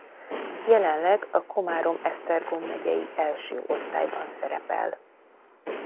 Jelenleg a Komárom-Esztergom megyei első osztályban szerepel.